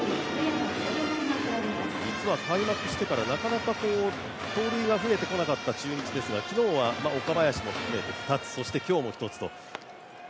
実は開幕してから、なかなか盗塁が増えてこなかった中日ですが昨日は岡林含めて２つ、そして今日も１つと。